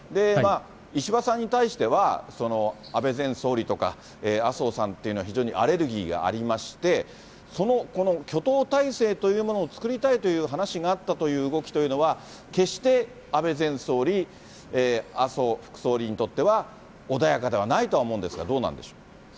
石破さんに対しては、安倍前総理とか、麻生さんっていうのは、非常にアレルギーがありまして、この挙党体制というものを作りたいという話があったという動きは、決して安倍前総理、麻生副総理にとっては、穏やかではないと思うんですが、どうなんでしょう。